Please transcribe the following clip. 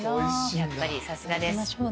やっぱりさすがです。